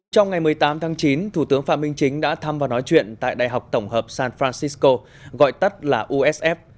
trong ngày một mươi tám tháng chín thủ tướng phạm minh chính đã thăm và nói chuyện tại đại học tổng hợp san francisco gọi tắt là usf